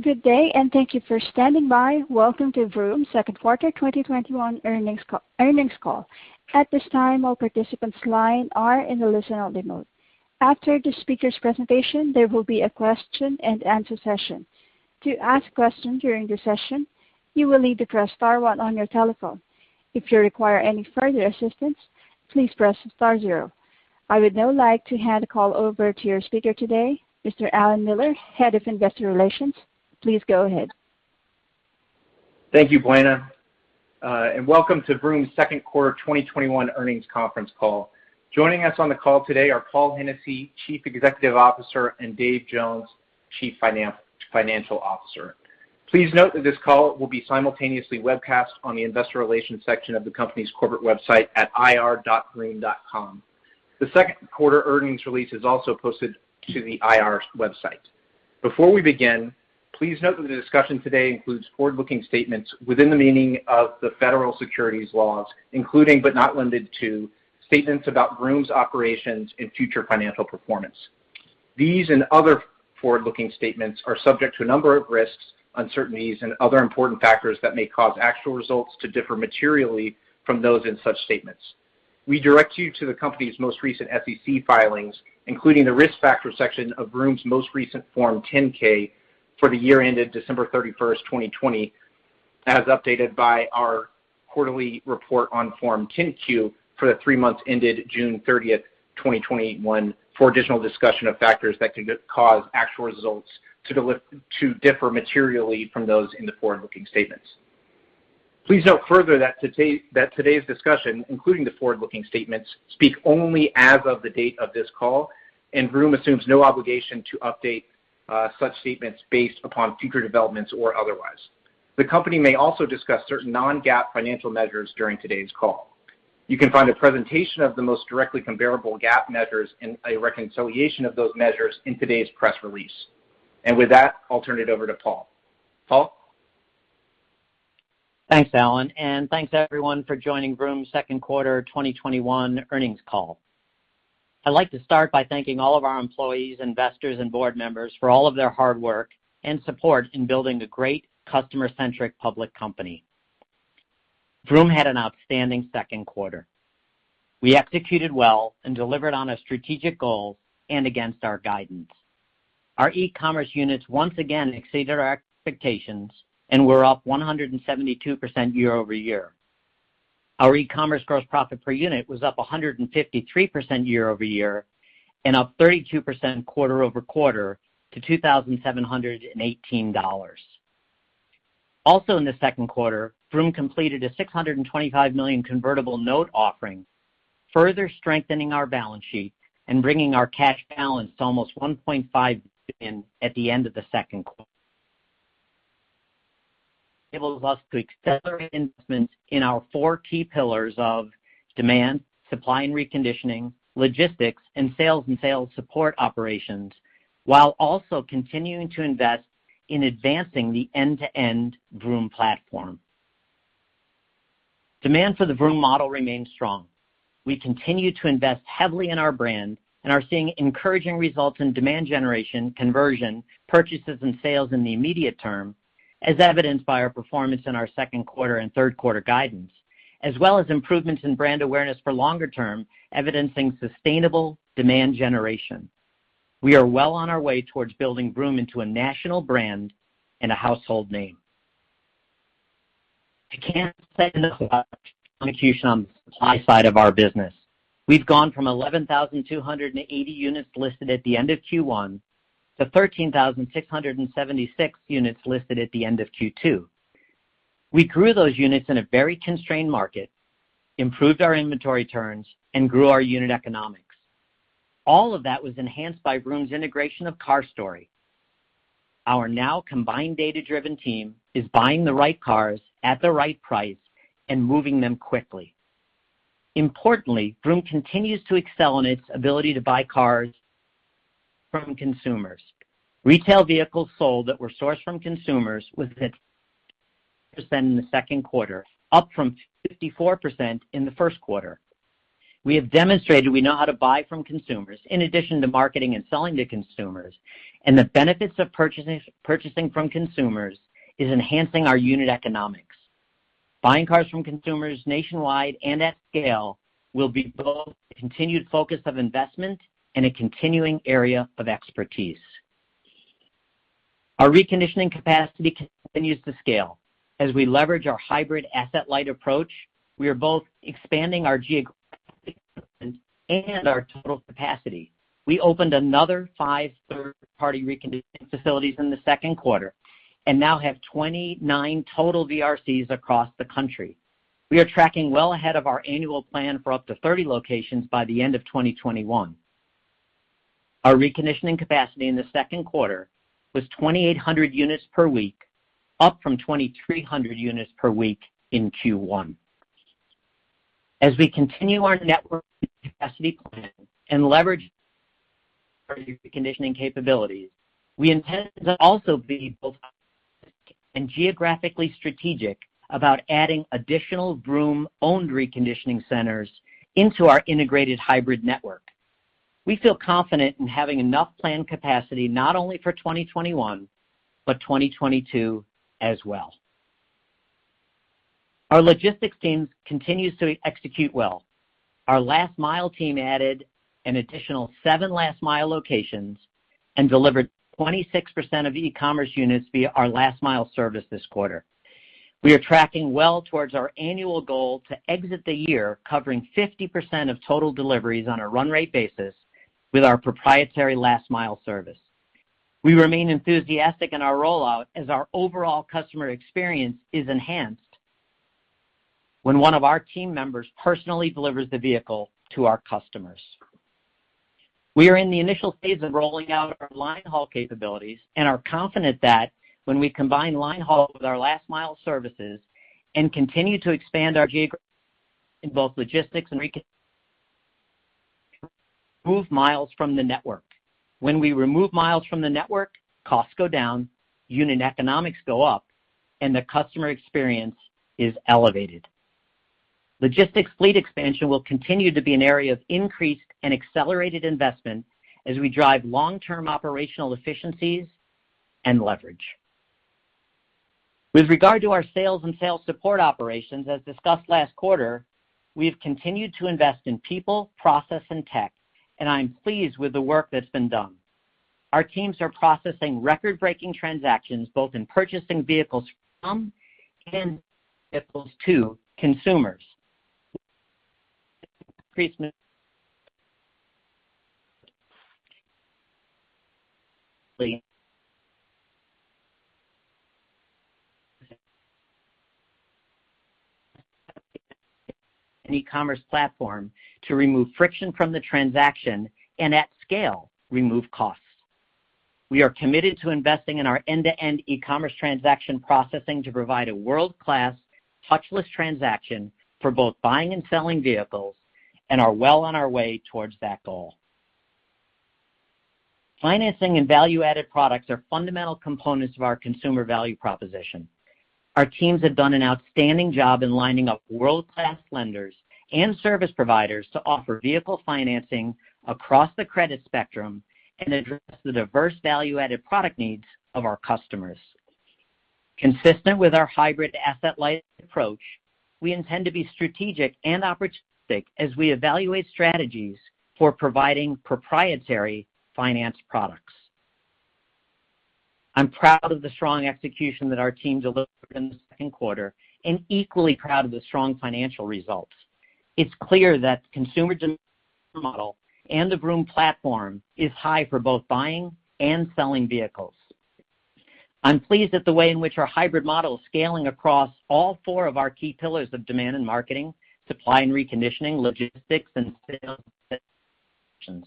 Good day, thank you for standing by. Welcome to Vroom's second quarter 2021 earnings call. At this time, all participants lines are in a listen-only mode. After the speaker's presentation, there will be a question and answer session. To ask a question during the session, you will need to press star one on your telephone. If you require any further assistance, please press star zero. I would now like to hand the call over to your speaker today, Mr. Allen Miller, Head of Investor Relations. Please go ahead. Thank you, Buena. Welcome to Vroom's second quarter 2021 earnings conference call. Joining us on the call today are Paul Hennessy, Chief Executive Officer, and Dave Jones, Chief Financial Officer. Please note that this call will be simultaneously webcast on the investor relations section of the company's corporate website at ir.vroom.com. The second quarter earnings release is also posted to the IR's website. Before we begin, please note that the discussion today includes forward-looking statements within the meaning of the federal securities laws, including, but not limited to, statements about Vroom's operations and future financial performance. These and other forward-looking statements are subject to a number of risks, uncertainties, and other important factors that may cause actual results to differ materially from those in such statements. We direct you to the company's most recent SEC filings, including the risk factor section of Vroom's most recent Form 10-K for the year ended December 31st, 2020, as updated by our quarterly report on Form 10-Q for the three months ended June 30th, 2021, for additional discussion of factors that can cause actual results to differ materially from those in the forward-looking statements. Please note further that today's discussion, including the forward-looking statements, speak only as of the date of this call, and Vroom assumes no obligation to update such statements based upon future developments or otherwise. The company may also discuss certain non-GAAP financial measures during today's call. You can find a presentation of the most directly comparable GAAP measures and a reconciliation of those measures in today's press release. With that, I'll turn it over to Paul. Paul? Thanks, Allen, and thanks everyone for joining Vroom's second quarter 2021 earnings call. I'd like to start by thanking all of our employees, investors, and board members for all of their hard work and support in building a great customer-centric public company. Vroom had an outstanding second quarter. We executed well and delivered on our strategic goal and against our guidance. Our ecommerce units once again exceeded our expectations, and we're up 172% year-over-year. Our ecommerce gross profit per unit was up 153% year-over-year and up 32% quarter-over-quarter to $2,718. Also in the second quarter, Vroom completed a $625 million convertible note offering, further strengthening our balance sheet and bringing our cash balance to almost $1.5 billion at the end of the second quarter. It enables us to accelerate investments in our four key pillars of demand, supply and reconditioning, logistics, and sales and sales support operations, while also continuing to invest in advancing the end-to-end Vroom platform. Demand for the Vroom model remains strong. We continue to invest heavily in our brand and are seeing encouraging results in demand generation, conversion, purchases, and sales in the immediate term, as evidenced by our performance in our second quarter and third quarter guidance, as well as improvements in brand awareness for longer term evidencing sustainable demand generation. We are well on our way towards building Vroom into a national brand and a household name. I can't say enough about the execution on the supply side of our business. We've gone from 11,280 units listed at the end of Q1 to 13,676 units listed at the end of Q2. We grew those units in a very constrained market, improved our inventory turns, and grew our unit economics. All of that was enhanced by Vroom's integration of CarStory. Our now combined data-driven team is buying the right cars at the right price and moving them quickly. Importantly, Vroom continues to excel in its ability to buy cars from consumers. Retail vehicles sold that were sourced from consumers was at 55% in the second quarter, up from 54% in the first quarter. We have demonstrated we know how to buy from consumers in addition to marketing and selling to consumers, and the benefits of purchasing from consumers is enhancing our unit economics. Buying cars from consumers nationwide and at scale will be both a continued focus of investment and a continuing area of expertise. Our reconditioning capacity continues to scale. As we leverage our hybrid asset-light approach, we are both expanding our geographic footprint and our total capacity. We opened another five third-party reconditioning facilities in the second quarter and now have 29 total VRCs across the country. We are tracking well ahead of our annual plan for up to 30 locations by the end of 2021. Our reconditioning capacity in the second quarter was 2,800 units per week, up from 2,300 units per week in Q1. As we continue our network and capacity plan and leverage our reconditioning capabilities, we intend to also be geographically strategic about adding additional Vroom-owned reconditioning centers into our integrated hybrid network. We feel confident in having enough planned capacity not only for 2021 but 2022 as well. Our logistics team continues to execute well. Our last-mile team added an additional seven Last Mile locations and delivered 26% of ecommerce units via our last-mile service this quarter. We are tracking well towards our annual goal to exit the year covering 50% of total deliveries on a run rate basis with our proprietary last-mile service. We remain enthusiastic in our rollout as our overall customer experience is enhanced when one of our team members personally delivers the vehicle to our customers. We are in the initial phase of rolling out our line haul capabilities and are confident that when we combine line haul with our last-mile services and continue to expand our geographic in both logistics and move miles from the network. When we remove miles from the network, costs go down, unit economics go up, and the customer experience is elevated. Logistics fleet expansion will continue to be an area of increased and accelerated investment as we drive long-term operational efficiencies and leverage. With regard to our sales and sales support operations, as discussed last quarter, we have continued to invest in people, process, and tech, and I am pleased with the work that's been done. Our teams are processing record-breaking transactions, both in purchasing vehicles from and vehicles to consumers. An ecommerce platform to remove friction from the transaction and at scale, remove costs. We are committed to investing in our end-to-end ecommerce transaction processing to provide a world-class touchless transaction for both buying and selling vehicles and are well on our way towards that goal. Financing and value-added products are fundamental components of our consumer value proposition. Our teams have done an outstanding job in lining up world-class lenders and service providers to offer vehicle financing across the credit spectrum and address the diverse value-added product needs of our customers. Consistent with our hybrid asset-light approach, we intend to be strategic and opportunistic as we evaluate strategies for providing proprietary finance products. I'm proud of the strong execution that our teams delivered in the second quarter, and equally proud of the strong financial results. It's clear that consumer demand model and the Vroom platform is high for both buying and selling vehicles. I'm pleased at the way in which our hybrid model is scaling across all four of our key pillars of demand and marketing, supply and reconditioning, logistics and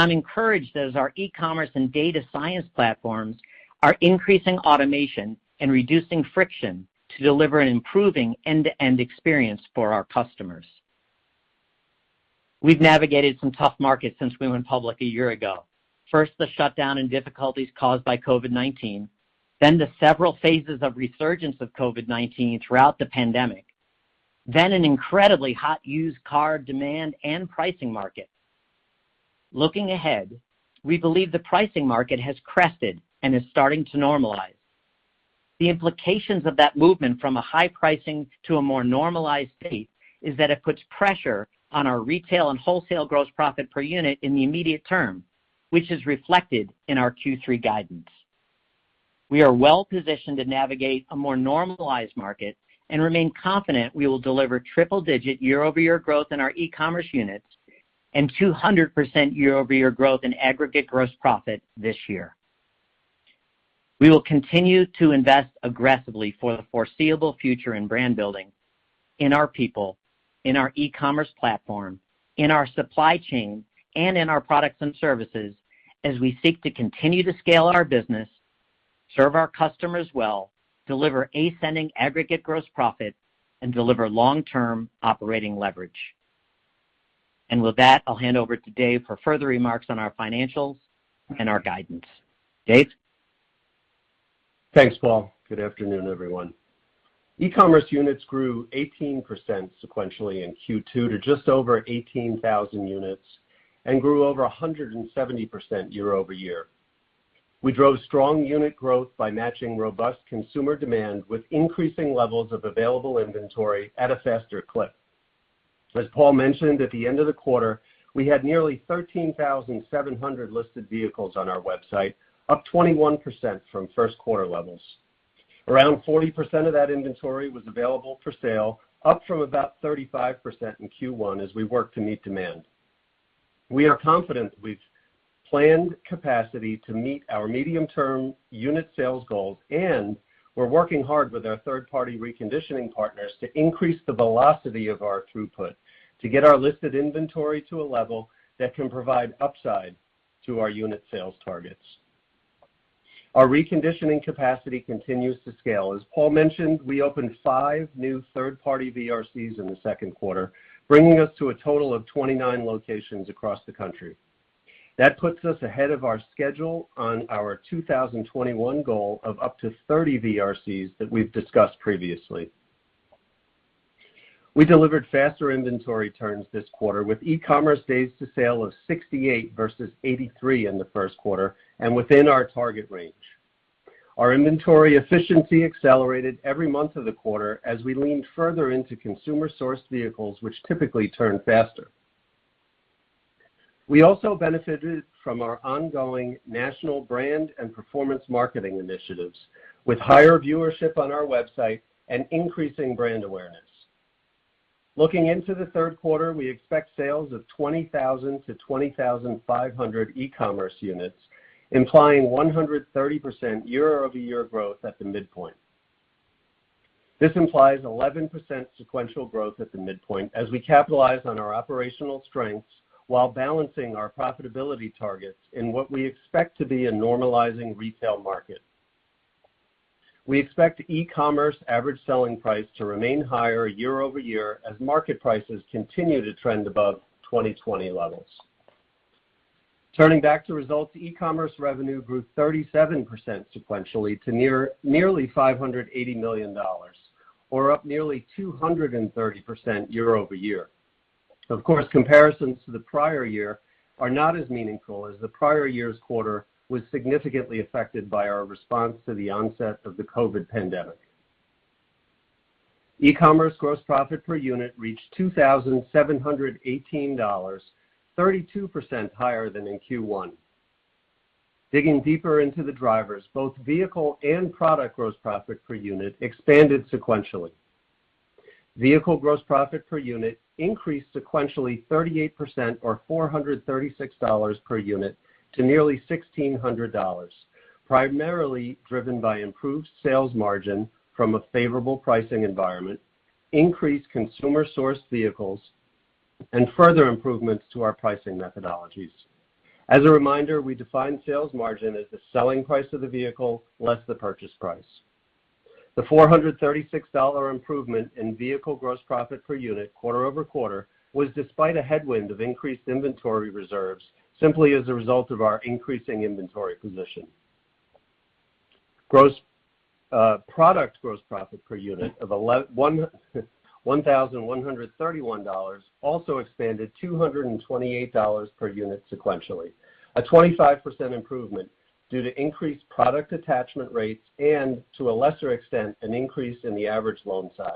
I'm encouraged as our ecommerce and data science platforms are increasing automation and reducing friction to deliver an improving end-to-end experience for our customers. We've navigated some tough markets since we went public a year ago. First, the shutdown and difficulties caused by COVID-19, then the several phases of resurgence of COVID-19 throughout the pandemic, then an incredibly hot used car demand and pricing market. Looking ahead, we believe the pricing market has crested and is starting to normalize. The implications of that movement from a high pricing to a more normalized state is that it puts pressure on our retail and wholesale gross profit per unit in the immediate term, which is reflected in our Q3 guidance. We are well positioned to navigate a more normalized market and remain confident we will deliver triple-digit year-over-year growth in our ecommerce units and 200% year-over-year growth in aggregate gross profit this year. We will continue to invest aggressively for the foreseeable future in brand building, in our people, in our ecommerce platform, in our supply chain, and in our products and services as we seek to continue to scale our business, serve our customers well, deliver ascending aggregate gross profit, and deliver long-term operating leverage. With that, I'll hand over to Dave for further remarks on our financials and our guidance. Dave? Thanks, Paul. Good afternoon, everyone. ecommerce units grew 18% sequentially in Q2 to just over 18,000 units and grew over 170% year-over-year. We drove strong unit growth by matching robust consumer demand with increasing levels of available inventory at a faster clip. As Paul mentioned, at the end of the quarter, we had nearly 13,700 listed vehicles on our website, up 21% from first quarter levels. Around 40% of that inventory was available for sale, up from about 35% in Q1 as we work to meet demand. We are confident we've planned capacity to meet our medium-term unit sales goals, and we're working hard with our third-party reconditioning partners to increase the velocity of our throughput to get our listed inventory to a level that can provide upside to our unit sales targets. Our reconditioning capacity continues to scale. As Paul mentioned, we opened five new third-party VRCs in the second quarter, bringing us to a total of 29 locations across the country. That puts us ahead of our schedule on our 2021 goal of up to 30 VRCs that we've discussed previously. We delivered faster inventory turns this quarter with ecommerce days to sale of 68 versus 83 in the first quarter, and within our target range. Our inventory efficiency accelerated every month of the quarter as we leaned further into consumer source vehicles, which typically turn faster. We also benefited from our ongoing national brand and performance marketing initiatives, with higher viewership on our website and increasing brand awareness. Looking into the third quarter, we expect sales of 20,000-20,500 ecommerce units, implying 130% year-over-year growth at the midpoint. This implies 11% sequential growth at the midpoint as we capitalize on our operational strengths while balancing our profitability targets in what we expect to be a normalizing retail market. We expect ecommerce average selling price to remain higher year-over-year as market prices continue to trend above 2020 levels. Turning back to results, ecommerce revenue grew 37% sequentially to nearly $580 million, or up nearly 230% year-over-year. Of course, comparisons to the prior year are not as meaningful as the prior year's quarter was significantly affected by our response to the onset of the COVID pandemic. E-commerce gross profit per unit reached $2,718, 32% higher than in Q1. Digging deeper into the drivers, both vehicle and product gross profit per unit expanded sequentially. Vehicle gross profit per unit increased sequentially 38%, or $436 per unit, to nearly $1,600, primarily driven by improved sales margin from a favorable pricing environment, increased consumer source vehicles, and further improvements to our pricing methodologies. As a reminder, we define sales margin as the selling price of the vehicle less the purchase price. The $436 improvement in vehicle gross profit per unit quarter-over-quarter was despite a headwind of increased inventory reserves simply as a result of our increasing inventory position. Product gross profit per unit of $1,131 also expanded $228 per unit sequentially, a 25% improvement due to increased product attachment rates and, to a lesser extent, an increase in the average loan size.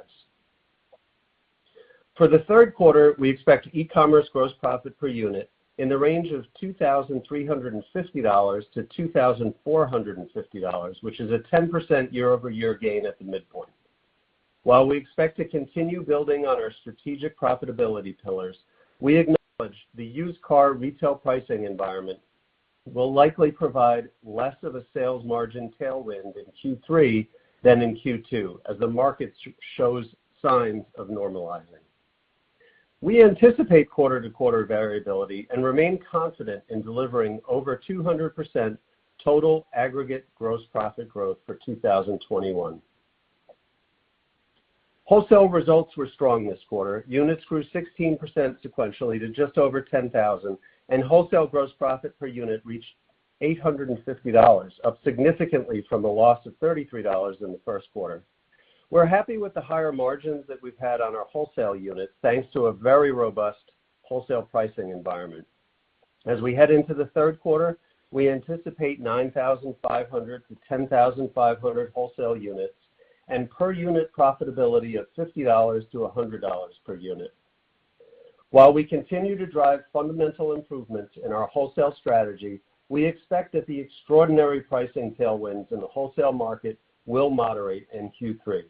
For the third quarter, we expect ecommerce gross profit per unit in the range of $2,350-$2,450, which is a 10% year-over-year gain at the midpoint. While we expect to continue building on our strategic profitability pillars, we acknowledge the used car retail pricing environment will likely provide less of a sales margin tailwind in Q3 than in Q2 as the market shows signs of normalizing. We anticipate quarter-to-quarter variability and remain confident in delivering over 200% total aggregate gross profit growth for 2021. Wholesale results were strong this quarter. Units grew 16% sequentially to just over 10,000, and wholesale gross profit per unit reached $850, up significantly from the loss of $33 in the first quarter. We're happy with the higher margins that we've had on our wholesale units, thanks to a very robust wholesale pricing environment. As we head into the third quarter, we anticipate 9,500 wholesale units-10,500 wholesale units and per unit profitability of $50 per unit-$100 per unit. While we continue to drive fundamental improvements in our wholesale strategy, we expect that the extraordinary pricing tailwinds in the wholesale market will moderate in Q3.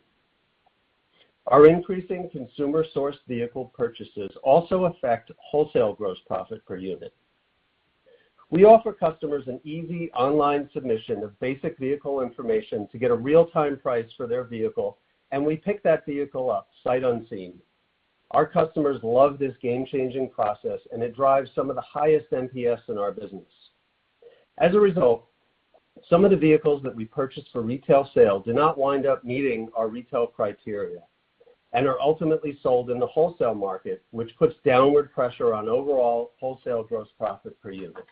Our increasing consumer source vehicle purchases also affect wholesale gross profit per unit. We offer customers an easy online submission of basic vehicle information to get a real-time price for their vehicle, and we pick that vehicle up sight unseen. Our customers love this game-changing process, and it drives some of the highest NPS in our business. As a result, some of the vehicles that we purchase for retail sale do not wind up meeting our retail criteria and are ultimately sold in the wholesale market, which puts downward pressure on overall wholesale gross profit per unit.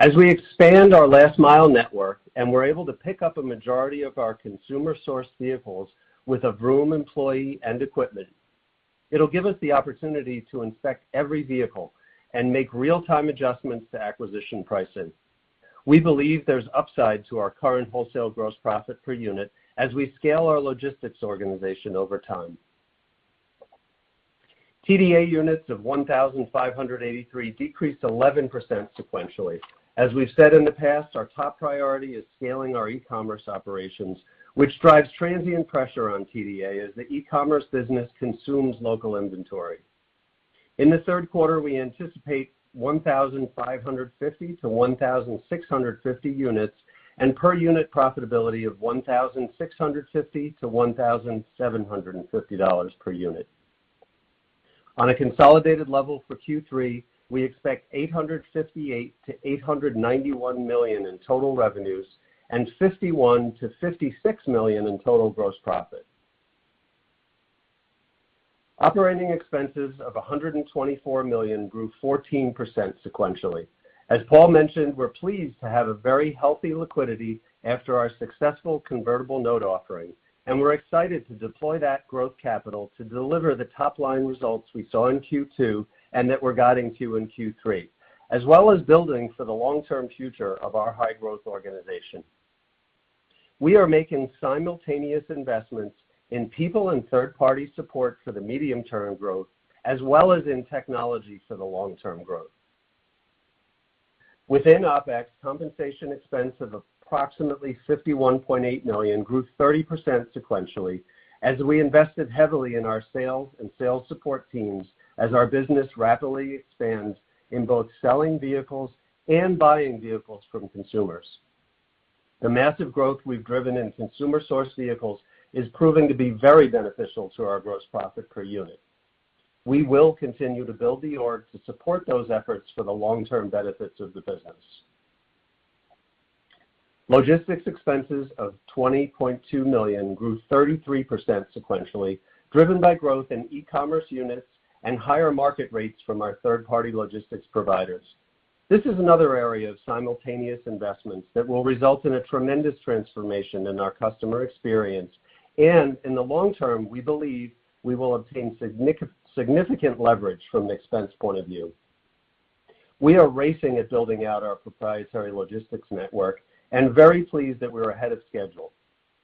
As we expand our Last Mile network and we're able to pick up a majority of our consumer-source vehicles with a Vroom employee and equipment, it'll give us the opportunity to inspect every vehicle and make real-time adjustments to acquisition pricing. We believe there's upside to our current wholesale gross profit per unit as we scale our logistics organization over time. TDA units of 1,583 decreased 11% sequentially. As we've said in the past, our top priority is scaling our ecommerce operations, which drives transient pressure on TDA as the ecommerce business consumes local inventory. In the third quarter, we anticipate 1,550-1,650 units and per unit profitability of $1,650-$1,750 per unit. On a consolidated level for Q3, we expect $858 million-$891 million in total revenues and $51 million-$56 million in total gross profit. Operating expenses of $124 million grew 14% sequentially. As Paul mentioned, we're pleased to have a very healthy liquidity after our successful convertible note offering. We're excited to deploy that growth capital to deliver the top-line results we saw in Q2 and that we're guiding to in Q3, as well as building for the long-term future of our high-growth organization. We are making simultaneous investments in people and third-party support for the medium-term growth, as well as in technology for the long-term growth. Within OpEx, compensation expense of approximately $51.8 million grew 30% sequentially as we invested heavily in our sales and sales support teams as our business rapidly expands in both selling vehicles and buying vehicles from consumers. The massive growth we've driven in consumer-sourced vehicles is proving to be very beneficial to our gross profit per unit. We will continue to build the org to support those efforts for the long-term benefits of the business. Logistics expenses of $20.2 million grew 33% sequentially, driven by growth in ecommerce units and higher market rates from our third-party logistics providers. This is another area of simultaneous investments that will result in a tremendous transformation in our customer experience. In the long term, we believe we will obtain significant leverage from an expense point of view. We are racing at building out our proprietary logistics network and very pleased that we're ahead of schedule.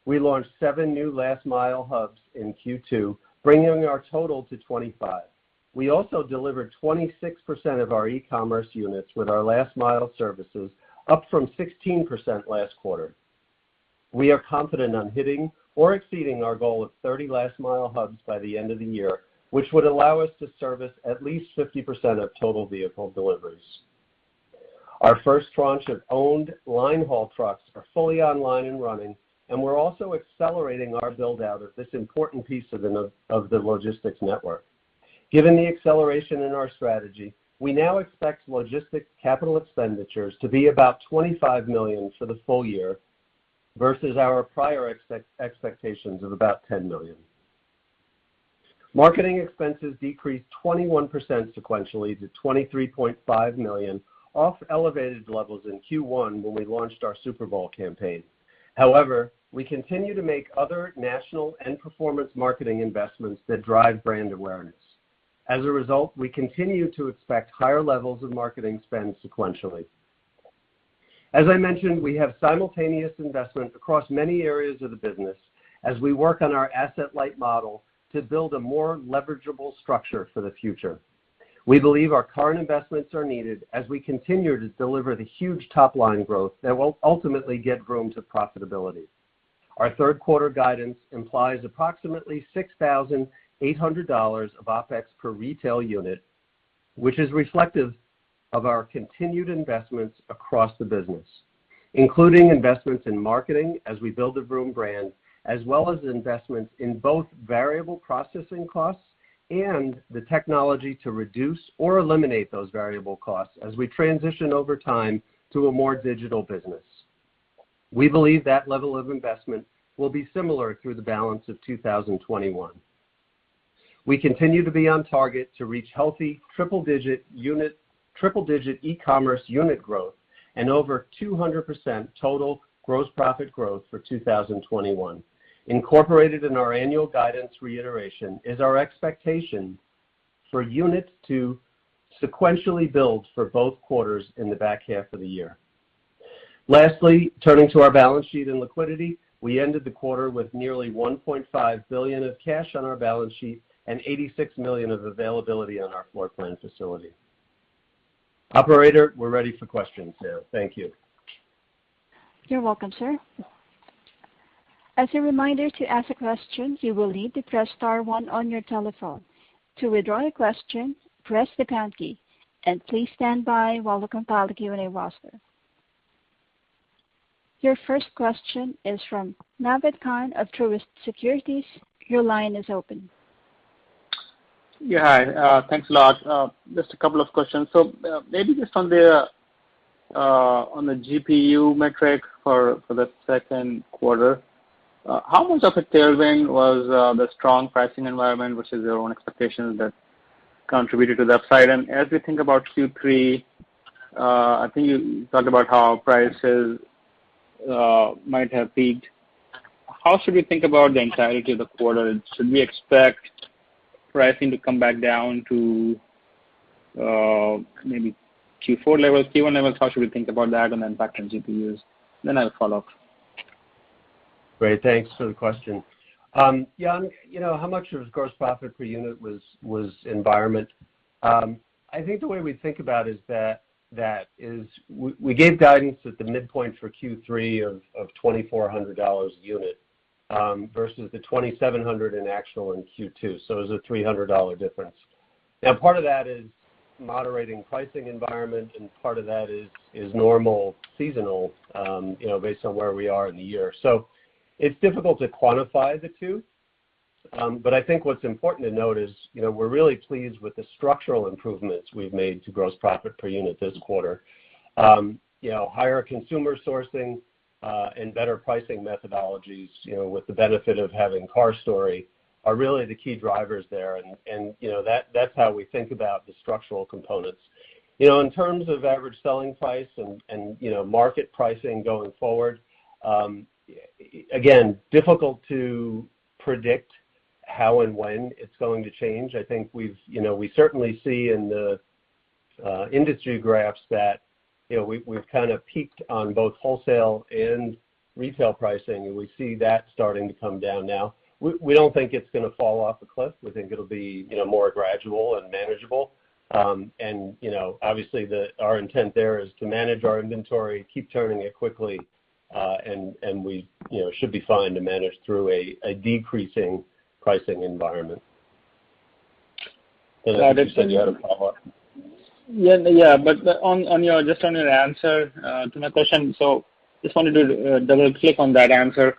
We launched seven new Last Mile hubs in Q2, bringing our total to 25. We also delivered 26% of our ecommerce units with our Last Mile services, up from 16% last quarter. We are confident on hitting or exceeding our goal of 30 Last Mile hubs by the end of the year, which would allow us to service at least 50% of total vehicle deliveries. Our first tranche of owned line-haul trucks are fully online and running. We're also accelerating our build-out of this important piece of the logistics network. Given the acceleration in our strategy, we now expect logistics capital expenditures to be about $25 million for the full year versus our prior expectations of about $10 million. Marketing expenses decreased 21% sequentially to $23.5 million off elevated levels in Q1 when we launched our Super Bowl campaign. However, we continue to make other national and performance marketing investments that drive brand awareness. As a result, we continue to expect higher levels of marketing spend sequentially. As I mentioned, we have simultaneous investments across many areas of the business as we work on our asset-light model to build a more leverageable structure for the future. We believe our current investments are needed as we continue to deliver the huge top-line growth that will ultimately get Vroom to profitability. Our third quarter guidance implies approximately $6,800 of OpEx per retail unit, which is reflective of our continued investments across the business, including investments in marketing as we build the Vroom brand, as well as investments in both variable processing costs and the technology to reduce or eliminate those variable costs as we transition over time to a more digital business. We believe that level of investment will be similar through the balance of 2021. We continue to be on target to reach healthy triple-digit ecommerce unit growth and over 200% total gross profit growth for 2021. Incorporated in our annual guidance reiteration is our expectation for units to sequentially build for both quarters in the back half of the year. Lastly, turning to our balance sheet and liquidity, we ended the quarter with nearly $1.5 billion of cash on our balance sheet and $86 million of availability on our floor plan facility. Operator, we're ready for questions now. Thank you. You're welcome, sir. As a reminder, to ask a question, you will need to press star one on your telephone. To withdraw your question, press the pound key. Please stand by while we compile the Q&A roster. Your first question is from Naved Khan of Truist Securities. Your line is open. Yeah. Thanks a lot. Just a couple of questions. Maybe just on the GPU metric for the second quarter, how much of a tailwind was the strong pricing environment versus your own expectation that contributed to the upside? As we think about Q3, I think you talked about how prices might have peaked. How should we think about the entirety of the quarter? Should we expect pricing to come back down to maybe Q4 levels, Q1 levels? How should we think about that and then factor in GPUs? I'll follow up. Great. Thanks for the question. How much of gross profit per unit was environment? I think the way we think about it is we gave guidance at the midpoint for Q3 of $2,400 a unit, versus the $2,700 in actual in Q2. it was a $300 difference. Now, part of that is moderating pricing environment, and part of that is normal seasonal based on where we are in the year. it's difficult to quantify the two. I think what's important to note is we're really pleased with the structural improvements we've made to gross profit per unit this quarter. Higher consumer sourcing, and better pricing methodologies, with the benefit of having CarStory, are really the key drivers there. That's how we think about the structural components. In terms of average selling price and market pricing going forward, again, difficult to predict how and when it's going to change. I think we certainly see in the industry graphs that we've kind of peaked on both wholesale and retail pricing, we see that starting to come down now. We don't think it's going to fall off a cliff. We think it'll be more gradual and manageable. Obviously our intent there is to manage our inventory, keep turning it quickly, and we should be fine to manage through a decreasing pricing environment. Got it. I think you had a follow-up. Just on your answer to my question. Just wanted to double-click on that answer.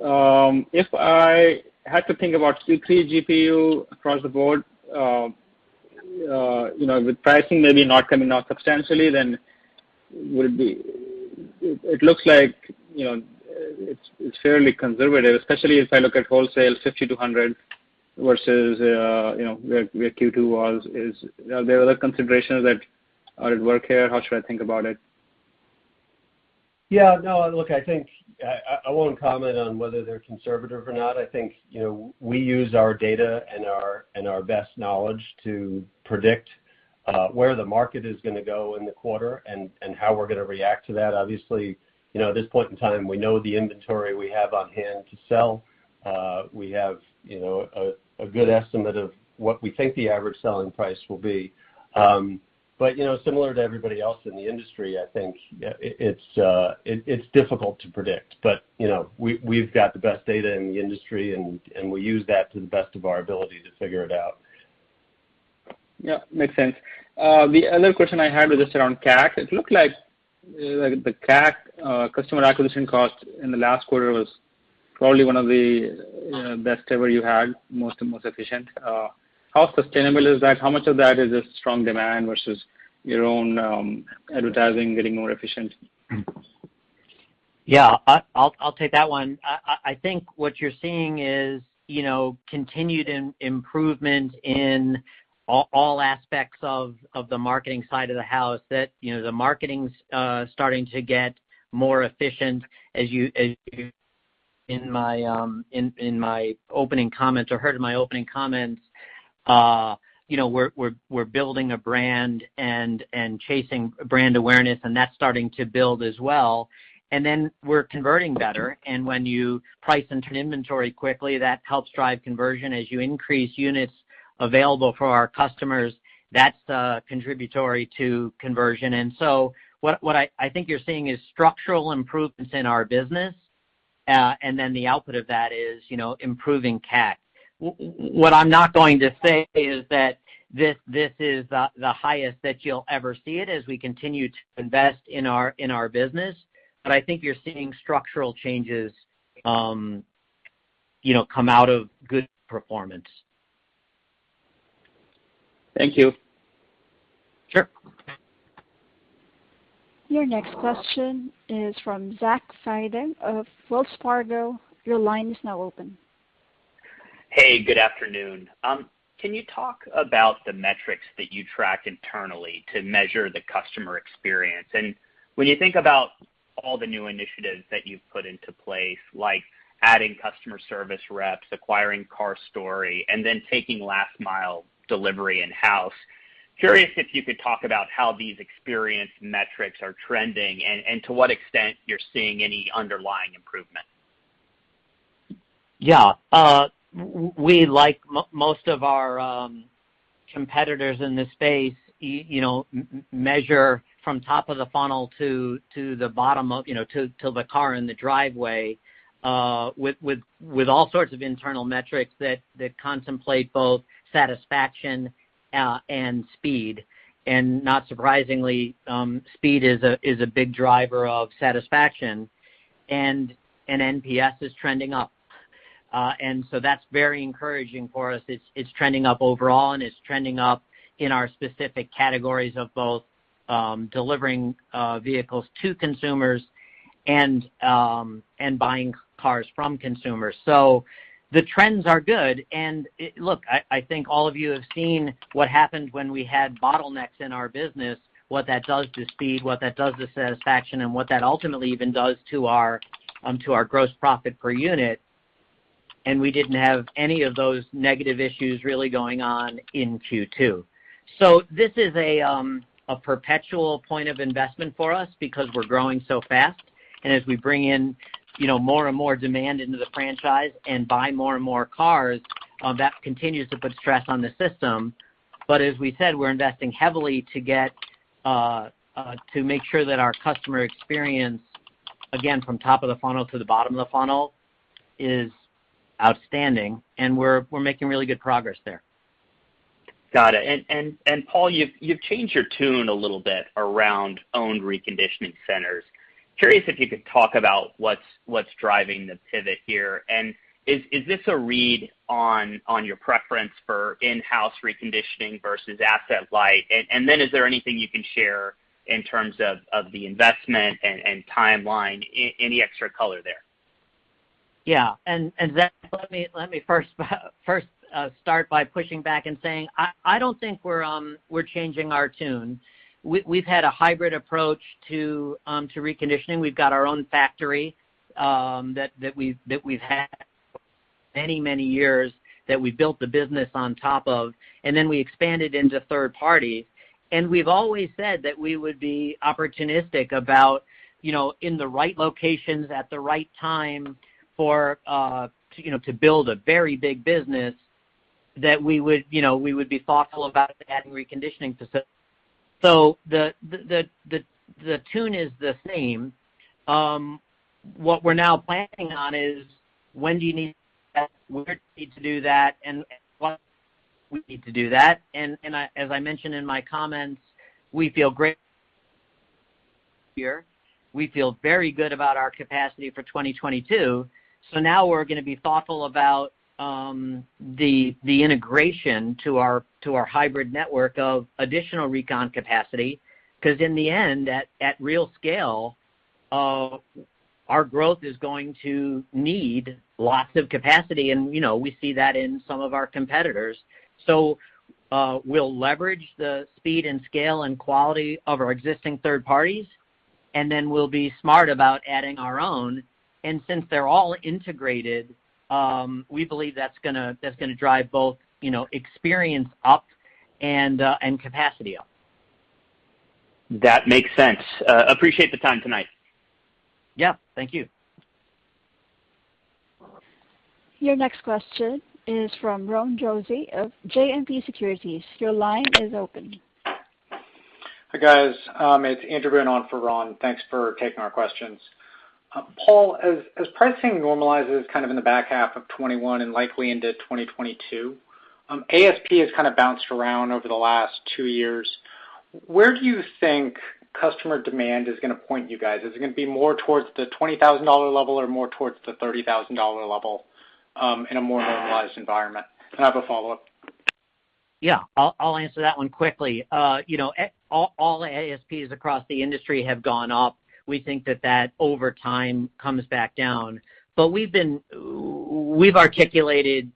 If I had to think about Q3 GPU across the board with pricing maybe not coming out substantially, it looks like it's fairly conservative, especially if I look at wholesale $5,200 versus where Q2 was. Are there other considerations that are at work here? How should I think about it? Yeah. No, look, I won't comment on whether they're conservative or not. I think we use our data and our best knowledge to predict where the market is going to go in the quarter and how we're going to react to that. Obviously, at this point in time, we know the inventory we have on-hand to sell. We have a good estimate of what we think the average selling price will be. Similar to everybody else in the industry, I think it's difficult to predict. We've got the best data in the industry, and we use that to the best of our ability to figure it out. Yeah. Makes sense. The other question I had was just around CAC. It looked like the CAC, customer acquisition cost, in the last quarter was probably one of the best ever you had, most efficient. How sustainable is that? How much of that is just strong demand versus your own advertising getting more efficient? Yeah, I'll take that one. I think what you're seeing is continued improvement in all aspects of the marketing side of the house, that the marketing's starting to get more efficient. As you heard in my opening comments, we're building a brand and chasing brand awareness, and that's starting to build as well. We're converting better, and when you price and turn inventory quickly, that helps drive conversion. As you increase units available for our customers, that's contributory to conversion. What I think you're seeing is structural improvements in our business, and then the output of that is improving CAC. What I'm not going to say is that this is the highest that you'll ever see it as we continue to invest in our business, but I think you're seeing structural changes come out of good performance. Thank you. Sure. Your next question is from Zach Fadem of Wells Fargo. Your line is now open. Hey, good afternoon. Can you talk about the metrics that you track internally to measure the customer experience? When you think about all the new initiatives that you've put into place, like adding customer service reps, acquiring CarStory, and then taking Last Mile delivery in-house, curious if you could talk about how these experience metrics are trending and to what extent you're seeing any underlying improvement. We, like most of our competitors in this space, measure from top of the funnel to the car in the driveway, with all sorts of internal metrics that contemplate both satisfaction and speed. Not surprisingly, speed is a big driver of satisfaction. NPS is trending up. That's very encouraging for us. It's trending up overall, and it's trending up in our specific categories of both delivering vehicles to consumers and buying cars from consumers. The trends are good. Look, I think all of you have seen what happened when we had bottlenecks in our business, what that does to speed, what that does to satisfaction, and what that ultimately even does to our gross profit per unit. We didn't have any of those negative issues really going on in Q2. This is a perpetual point of investment for us because we're growing so fast. As we bring in more and more demand into the franchise and buy more and more cars, that continues to put stress on the system. As we said, we're investing heavily to make sure that our customer experience, again, from top of the funnel to the bottom of the funnel, is outstanding. We're making really good progress there. Got it. Paul, you've changed your tune a little bit around owned reconditioning centers. Curious if you could talk about what's driving the pivot here, and is this a read on your preference for in-house reconditioning versus asset-light? Then is there anything you can share in terms of the investment and timeline? Any extra color there? Yeah. Zach, let me first start by pushing back and saying, I don't think we're changing our tune. We've had a hybrid approach to reconditioning. We've got our own factory that we've had for many, many years that we built the business on top of, and then we expanded into third party. We've always said that we would be opportunistic about in the right locations at the right time to build a very big business, that we would be thoughtful about adding reconditioning facilities. The tune is the same. What we're now planning on is when do you need to do that, and why we need to do that. As I mentioned in my comments, we feel great here. We feel very good about our capacity for 2022. Now we're going to be thoughtful about the integration to our hybrid network of additional recon capacity, because in the end, at real scale, our growth is going to need lots of capacity, and we see that in some of our competitors. We'll leverage the speed and scale and quality of our existing third parties, and then we'll be smart about adding our own. Since they're all integrated, we believe that's going to drive both experience up and capacity up. That makes sense. Appreciate the time tonight. Yeah. Thank you. Your next question is from Ron Josey of JMP Securities. Your line is open. Hi, guys. It's Andrew going on for Ron. Thanks for taking our questions. Paul, as pricing normalizes kind of in the back half of 2021 and likely into 2022, ASP has kind of bounced around over the last two years. Where do you think customer demand is going to point you guys? Is it going to be more towards the $20,000 level, or more towards the $30,000 level in a more normalized environment? I have a follow-up. Yeah, I'll answer that one quickly. All ASPs across the industry have gone up. We think that over time comes back down. We've articulated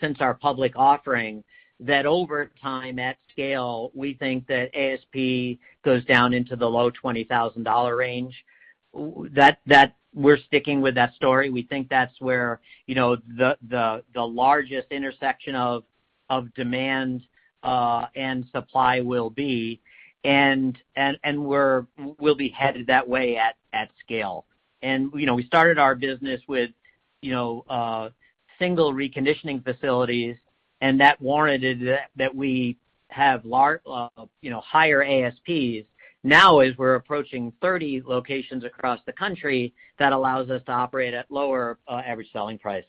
since our public offering that over time, at scale, we think that ASP goes down into the low $20,000 range. We're sticking with that story. We think that's where the largest intersection of demand and supply will be, and we'll be headed that way at scale. We started our business with single reconditioning facilities, and that warranted that we have higher ASPs. Now, as we're approaching 30 locations across the country, that allows us to operate at lower average selling price.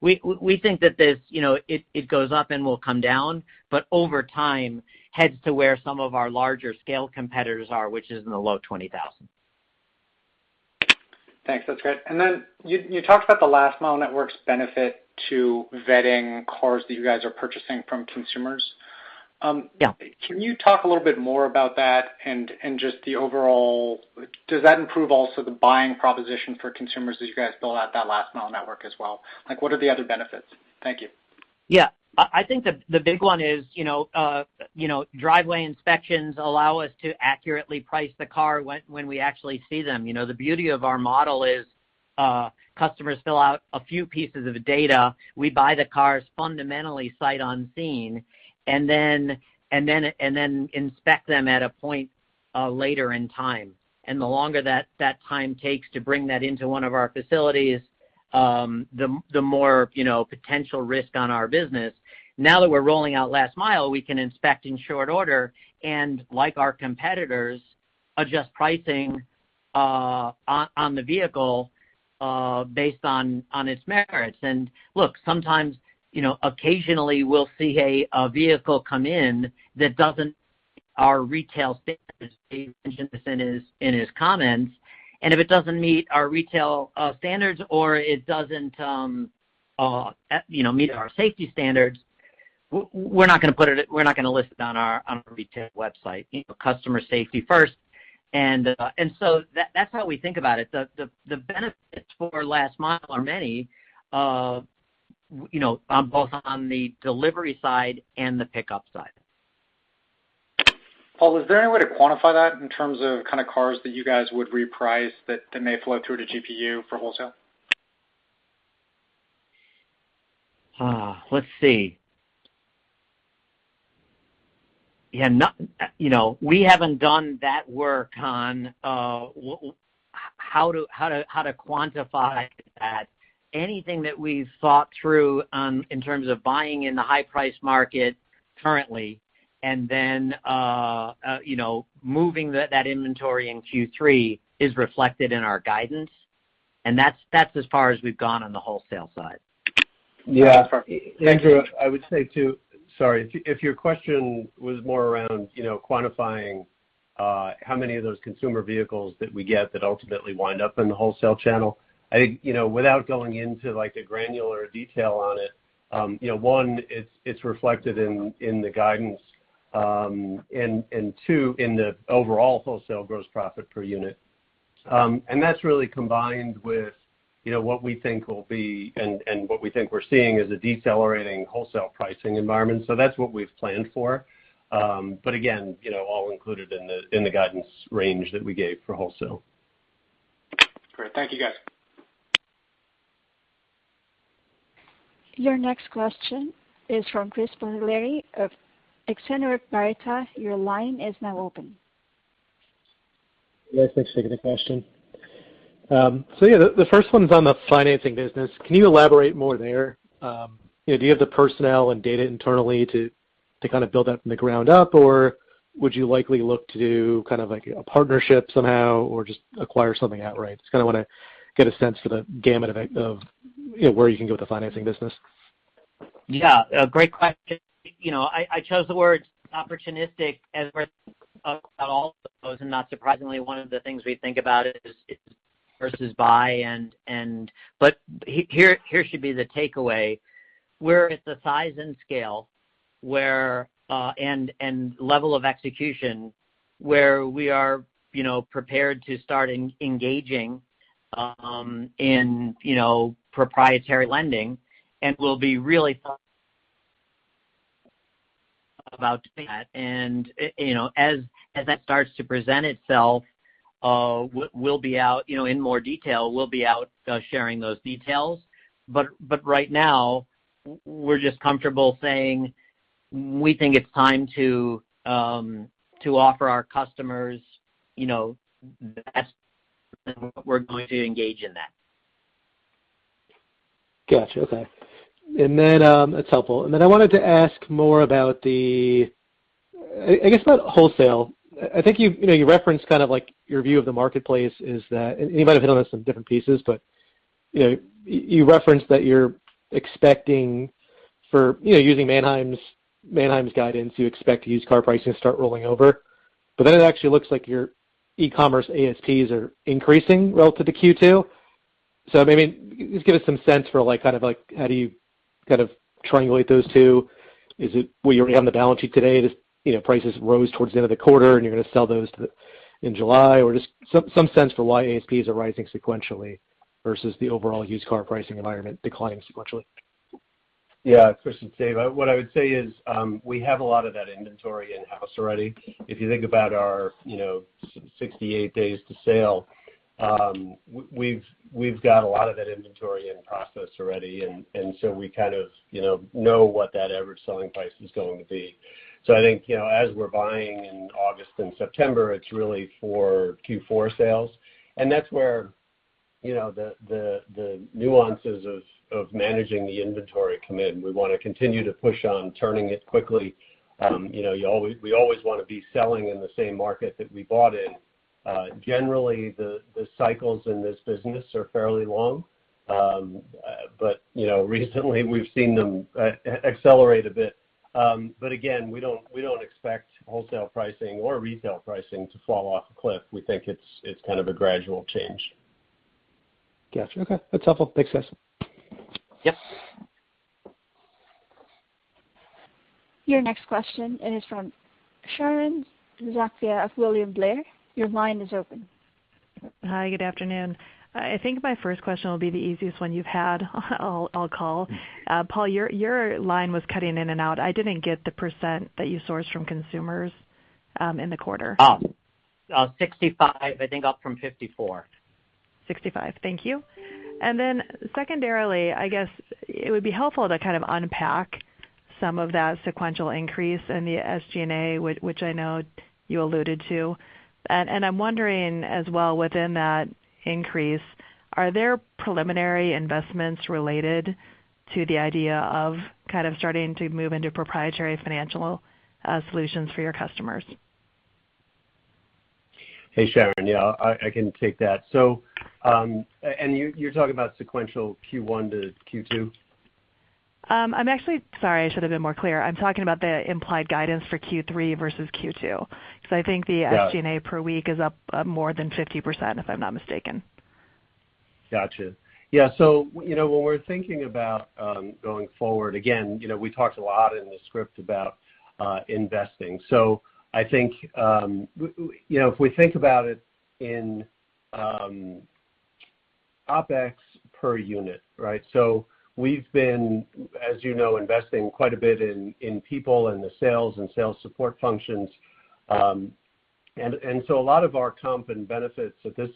We think that it goes up and will come down, but over time, heads to where some of our larger scale competitors are, which is in the low $20,000. Thanks. That's great. You talked about the Last Mile network's benefit to vetting cars that you guys are purchasing from consumers. Yeah. Can you talk a little bit more about that? Just the overall, does that improve also the buying proposition for consumers as you guys build out that Last Mile Network as well? What are the other benefits? Thank you. I think the big one is driveway inspections allow us to accurately price the car when we actually see them. The beauty of our model is customers fill out a few pieces of data, we buy the cars fundamentally sight unseen, and then inspect them at a point later in time. The longer that time takes to bring that into one of our facilities, the more potential risk on our business. Now that we're rolling out Last Mile, we can inspect in short order, and, like our competitors, adjust pricing on the vehicle based on its merits. Look, sometimes, occasionally, we'll see a vehicle come in that doesn't meet our retail standards, as Dave mentioned this in his comments. If it doesn't meet our retail standards or it doesn't meet our safety standards, we're not going to list it on our retail website. Customer safety first. That's how we think about it. The benefits for Last Mile are many, both on the delivery side and the pickup side. Paul, is there any way to quantify that in terms of kind of cars that you guys would reprice that may flow through to GPU for wholesale? Let's see. We haven't done that work on how to quantify that. Anything that we've thought through in terms of buying in the high-price market currently and then moving that inventory in Q3 is reflected in our guidance. That's as far as we've gone on the wholesale side. Yeah. Andrew, I would say too. Sorry. If your question was more around quantifying how many of those consumer vehicles that we get that ultimately wind up in the wholesale channel, I think, without going into the granular detail on it, one, it's reflected in the guidance, and two, in the overall wholesale gross profit per unit. That's really combined with what we think will be, and what we think we're seeing as a decelerating wholesale pricing environment. That's what we've planned for. Again, all included in the guidance range that we gave for wholesale. Great. Thank you, guys. Your next question is from Chris Bottiglieri of Exane BNP Paribas. Your line is now open. Yes, thanks for taking the question. Yeah, the first one's on the financing business. Can you elaborate more there? Do you have the personnel and data internally to build that from the ground up, or would you likely look to do a partnership somehow or just acquire something outright? Just want to get a sense for the gamut of where you can go with the financing business. Yeah. Great question. I chose the word opportunistic as versus at all of those, and not surprisingly, one of the things we think about is versus buy and here should be the takeaway. We're at the size and scale and level of execution where we are prepared to start engaging in proprietary lending and will be really thought about doing that. As that starts to present itself, in more detail, we'll be out sharing those details. Right now, we're just comfortable saying we think it's time to offer our customers, the best we're going to engage in that. Got you. Okay. That's helpful. I wanted to ask more about the, I guess not wholesale. I think you referenced your view of the marketplace is that, and you might have hit on this in different pieces, but you referenced that you're expecting for using Manheim's guidance, you expect used car pricing to start rolling over. It actually looks like your ecommerce ASPs are increasing relative to Q2. Maybe just give us some sense for how do you triangulate those two. Is it where you're on the balance sheet today, prices rose towards the end of the quarter, and you're going to sell those in July? Just some sense for why ASPs are rising sequentially versus the overall used car pricing environment declining sequentially. Yeah. Chris, it's Dave. What I would say is, we have a lot of that inventory in-house already. If you think about our 68 days to sale, we've got a lot of that inventory in process already, and so we kind of know what that average selling price is going to be. I think, as we're buying in August and September, it's really for Q4 sales, and that's where the nuances of managing the inventory come in. We want to continue to push on turning it quickly. We always want to be selling in the same market that we bought in. Generally, the cycles in this business are fairly long. recently we've seen them accelerate a bit. again, we don't expect wholesale pricing or retail pricing to fall off a cliff. We think it's kind of a gradual change. Got you. Okay. That's helpful. Thanks, guys. Yes. Your next question is from Sharon Zackfia of William Blair. Your line is open. Hi, good afternoon. I think my first question will be the easiest one you've had, I recall. Paul, your line was cutting in and out. I didn't get the percent that you sourced from consumers in the quarter. Oh. 65%, I think up from 54%. 65%. Thank you. secondarily, I guess it would be helpful to kind of unpack some of that sequential increase in the SG&A, which I know you alluded to. I'm wondering as well within that increase, are there preliminary investments related to the idea of kind of starting to move into proprietary financial solutions for your customers? Hey, Sharon. Yeah, I can take that. You're talking about sequential Q1 to Q2? I'm actually sorry, I should've been more clear. I'm talking about the implied guidance for Q3 versus Q2. I think the- Yeah. ...SG&A per week is up more than 50%, if I'm not mistaken. Got you. Yeah. When we're thinking about going forward, again, we talked a lot in the script about investing. I think, if we think about it in OpEx per unit, right? We've been, as you know, investing quite a bit in people and the sales and sales support functions. A lot of our comp and benefits at this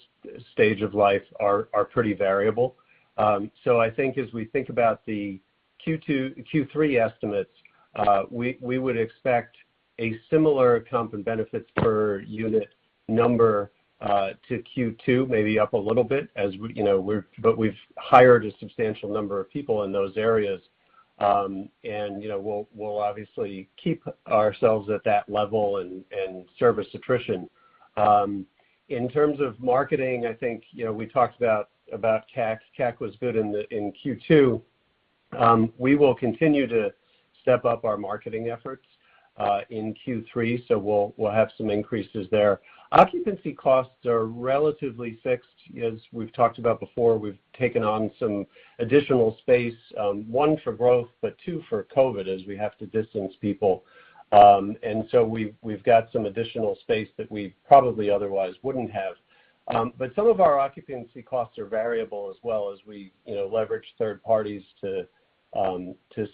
stage of life are pretty variable. I think as we think about the Q3 estimates, we would expect a similar comp and benefits per unit number to Q2, maybe up a little bit, but we've hired a substantial number of people in those areas. We'll obviously keep ourselves at that level and service attrition. In terms of marketing, I think we talked about CAC. CAC was good in Q2. We will continue to step up our marketing efforts in Q3, so we'll have some increases there. Occupancy costs are relatively fixed. As we've talked about before, we've taken on some additional space, one, for growth, but two, for COVID, as we have to distance people. We've got some additional space that we probably otherwise wouldn't have. Some of our occupancy costs are variable as well, as we leverage third parties to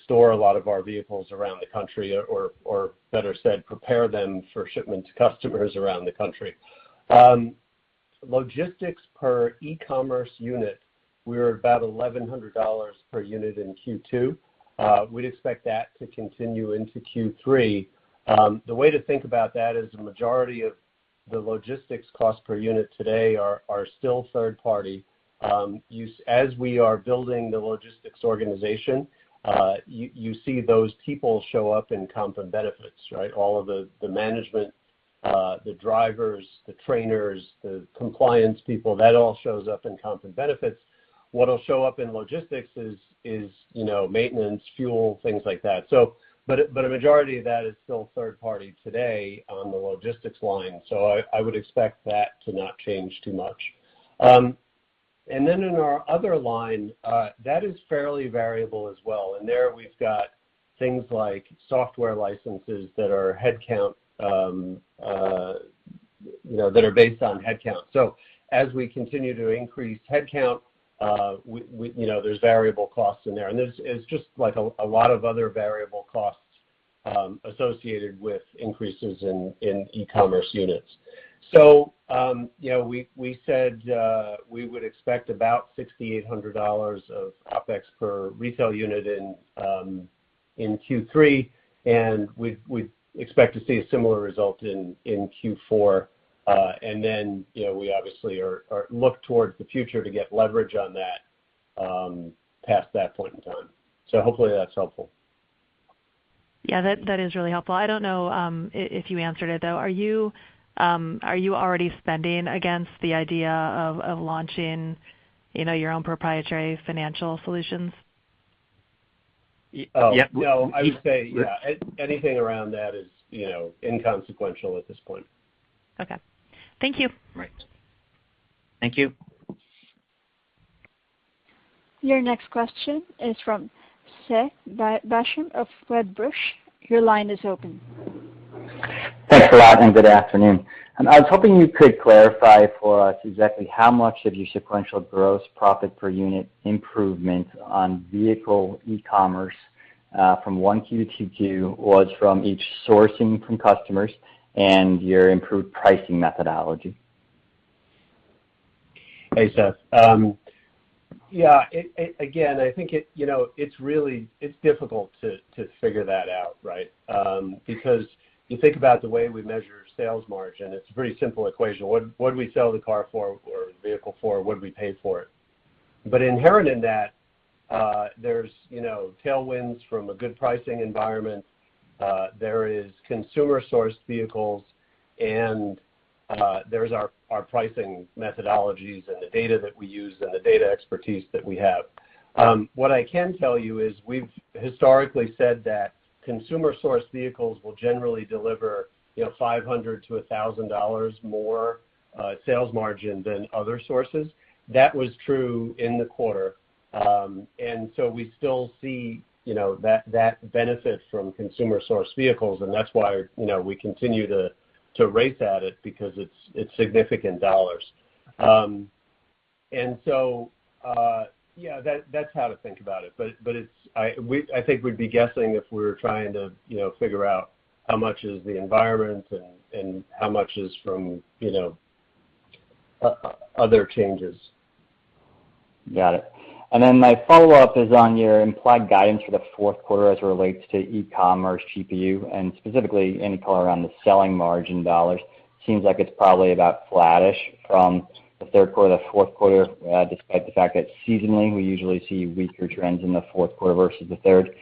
store a lot of our vehicles around the country or, better said, prepare them for shipment to customers around the country. Logistics per ecommerce unit, we were about $1,100 per unit in Q2. We'd expect that to continue into Q3. The way to think about that is the majority of the logistics cost per unit today are still third party. As we are building the logistics organization, you see those people show up in comp and benefits, right? All of the management, the drivers, the trainers, the compliance people, that all shows up in comp and benefits. What'll show up in logistics is maintenance, fuel, things like that. A majority of that is still third party today on the logistics line. I would expect that to not change too much. In our other line, that is fairly variable as well. There we've got things like software licenses that are based on headcount. As we continue to increase headcount, there's variable costs in there. There's just a lot of other variable costs associated with increases in ecommerce units. We said we would expect about $6,800 of OpEx per retail unit in Q3, and we expect to see a similar result in Q4. We obviously look towards the future to get leverage on that past that point in time. Hopefully that's helpful. Yeah, that is really helpful. I don't know if you answered it, though. Are you already spending against the idea of launching your own proprietary financial solutions? Oh, no. Yeah. I would say yeah. Anything around that is inconsequential at this point. Okay. Thank you. Great. Thank you. Your next question is from Seth Basham of Wedbush. Your line is open. Thanks a lot, and good afternoon. I was hoping you could clarify for us exactly how much of your sequential gross profit per unit improvement on vehicle ecommerce from 1Q to 2Q was from each sourcing from customers and your improved pricing methodology. Hey, Seth. Yeah, again, I think it's really difficult to figure that out, right? Because you think about the way we measure sales margin, it's a pretty simple equation. What do we sell the car for or vehicle for? What do we pay for it? Inherent in that, there's tailwinds from a good pricing environment. There is consumer source vehicles, and there's our pricing methodologies and the data that we use and the data expertise that we have. What I can tell you is we've historically said that consumer source vehicles will generally deliver $500 to $1,000 more sales margin than other sources. That was true in the quarter. We still see that benefit from consumer source vehicles, and that's why we continue to race at it, because it's significant dollars. Yeah, that's how to think about it. I think we'd be guessing if we were trying to figure out how much is the environment and how much is from other changes. Got it. My follow-up is on your implied guidance for the fourth quarter as it relates to ecommerce GPU and specifically any color on the selling margin dollars. Seems like it's probably about flattish from the third quarter to fourth quarter, despite the fact that seasonally we usually see weaker trends in the fourth quarter versus the third.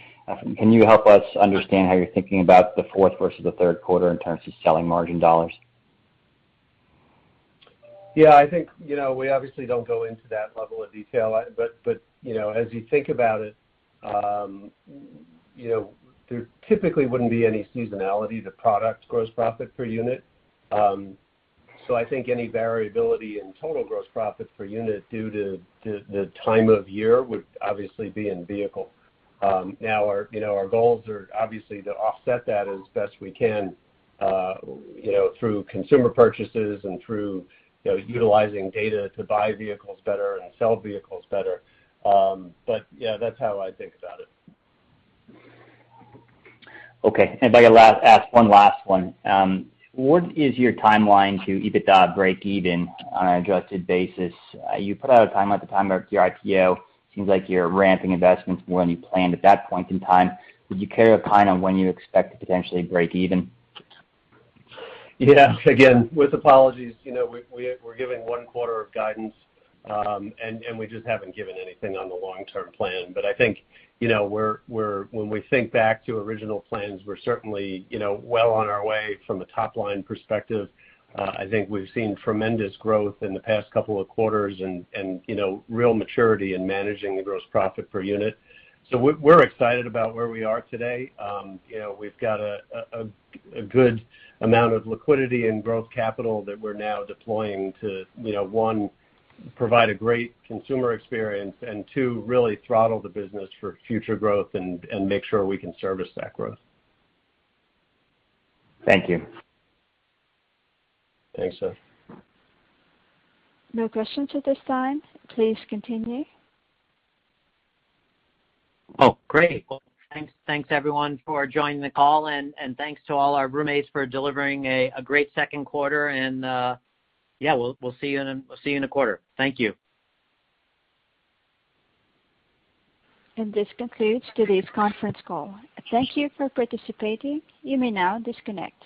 Can you help us understand how you're thinking about the fourth versus the third quarter in terms of selling margin dollars? Yeah, I think we obviously don't go into that level of detail. As you think about it, there typically wouldn't be any seasonality to product gross profit per unit. I think any variability in total gross profit per unit due to the time of year would obviously be in vehicle. Now our goals are obviously to offset that as best we can through consumer purchases and through utilizing data to buy vehicles better and sell vehicles better. Yeah, that's how I think about it. Okay. If I could ask one last one. What is your timeline to EBITDA breakeven on an adjusted basis? You put out a timeline at the time of your IPO. Seems like you're ramping investments more than you planned at that point in time. Would you care to opine on when you expect to potentially break even? Yeah. Again, with apologies, we're giving one quarter of guidance, and we just haven't given anything on the long-term plan. I think when we think back to original plans, we're certainly well on our way from a top-line perspective. I think we've seen tremendous growth in the past couple of quarters and real maturity in managing the gross profit per unit. We're excited about where we are today. We've got a good amount of liquidity and growth capital that we're now deploying to, one, provide a great consumer experience, and two, really throttle the business for future growth and make sure we can service that growth. Thank you. Thanks, Seth. No questions at this time. Please continue. Oh, great. Well, thanks everyone for joining the call, and thanks to all our Vroommates for delivering a great second quarter. Yeah, we'll see you in a quarter. Thank you. This concludes today's conference call. Thank you for participating. You may now disconnect.